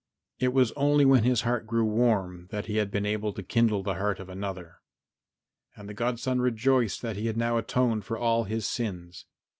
It was only when his heart grew warm that he had been able to kindle the heart of another. And the godson rejoiced that he had now atoned for all his sins.